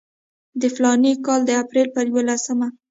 د فلاني کال د اپریل پر یوولسمه.